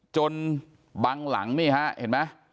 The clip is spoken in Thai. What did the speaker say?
จนบังหลังเนี่ยฮะเห็นมั้ย